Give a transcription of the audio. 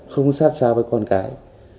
không sát sao với con cái